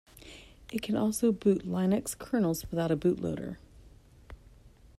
It can also boot Linux kernels without a bootloader.